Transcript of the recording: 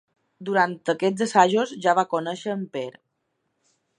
Durant aquests assajos ja va conèixer en Per.